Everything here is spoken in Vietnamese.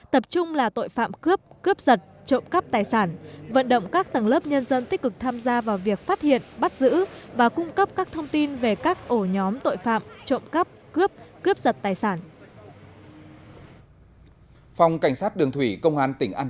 tập trung là tội phạm cướp cướp giật trộm cắp tài sản vận động các tầng lớp nhân dân tích cực tham gia vào việc phát hiện bắt giữ và cung cấp các thông tin về các ổ nhóm tội phạm trộm cắp cướp cướp giật tài sản